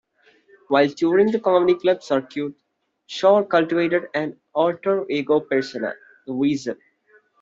While touring the comedy club circuit, Shore cultivated an alter ego persona, "The Weasel".